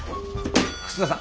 楠田さん